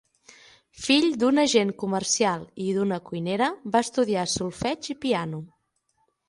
Fill d'un agent comercial i d'una cuinera, va estudiar solfeig i piano.